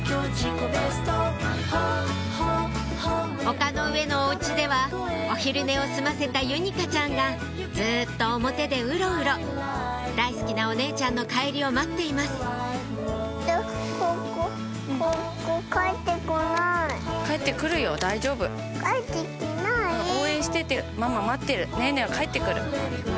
丘の上のお家ではお昼寝を済ませたゆにかちゃんがずっと表でウロウロ大好きなお姉ちゃんの帰りを待っていますママ待ってる。